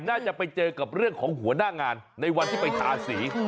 น่าจะไปเจอกับเรื่องของหัวหน้างานในวันที่ไปทาสี